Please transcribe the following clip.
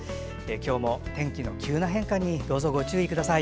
今日も天気の急な変化にどうぞご注意ください。